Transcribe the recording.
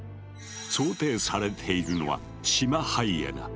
想定されているのはシマハイエナ。